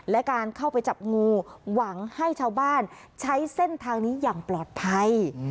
และการเข้าไปจับงูหวังให้ชาวบ้านใช้เส้นทางนี้อย่างปลอดภัย